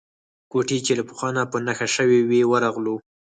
کوټې چې له پخوا نه په نښه شوې وې ورغلو.